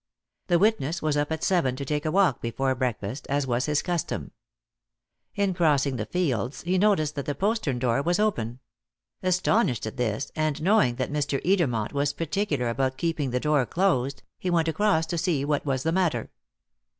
The witness was up at seven to take a walk before breakfast, as was his custom. In crossing the fields he noticed that the postern door was open. Astonished at this, and knowing that Mr. Edermont was particular about keeping the door closed, he went across to see what was the matter.